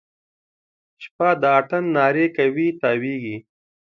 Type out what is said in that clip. شپه د اتڼ نارې کوي تاویږي